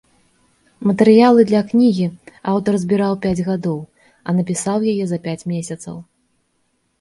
Матэрыялы для кнігі аўтар збіраў пяць гадоў, а напісаў яе за пяць месяцаў.